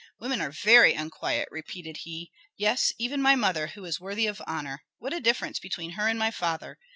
"Women are very unquiet!" repeated he. "Yes, even my mother, who is worthy of honor. What a difference between her and my father!